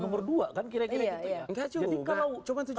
nomor dua kan kira kira gitu ya